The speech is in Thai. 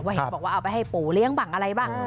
เห็นบอกว่าเอาไปให้ปู่เลี้ยงบ้างอะไรบ้าง